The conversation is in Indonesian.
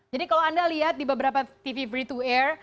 jadi kalau anda lihat di beberapa tv free to air